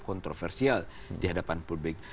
kontroversial di hadapan publik